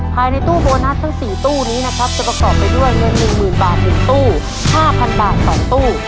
ภายในตู้โบนัสทั้ง๔ตู้นี้นะครับจะประกอบไปด้วยเงิน๑๐๐๐บาท๑ตู้๕๐๐บาท๒ตู้